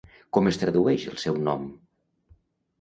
Com es tradueix el seu nom?